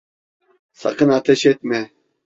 Sakın ateş etme!